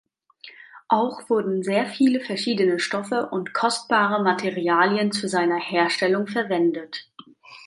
Auch wurden sehr viele verschiedene Stoffe und kostbare Materialien zu seiner Herstellung verwendet.